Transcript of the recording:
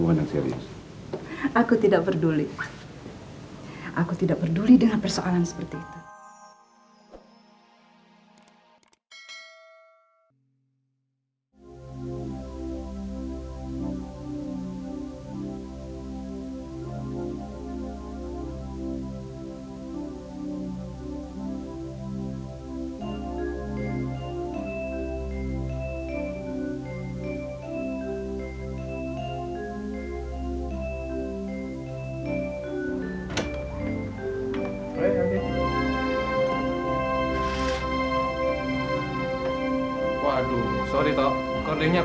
nanti pikiran ngapain lagi kita di dalam ya